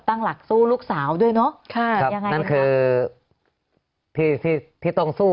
ตั้งหลักสู้ลูกสาวด้วยเนอะค่ะยังไงนั่นคือที่ที่ต้องสู้